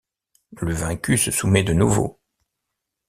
Le vaincu se soumet de nouveau.